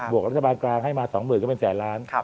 บวกกับรัฐบาลกลางให้มา๒๐๑๐๐ล้าน